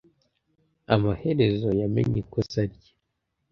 Amaherezo, yamenye ikosa rye.